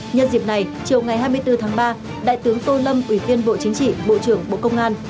nhân dịp này chiều ngày hai mươi bốn tháng ba đại tướng tô lâm ủy viên bộ chính trị bộ trưởng bộ công an